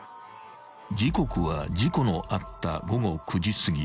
［時刻は事故のあった午後９時すぎ］